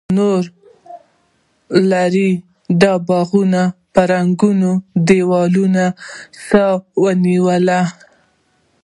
نورو لرې د باغونو په ړنګو دیوالونو کې سا ونیوله.